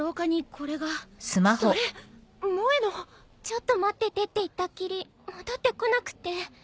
ちょっと待っててって言ったっきり戻ってこなくって。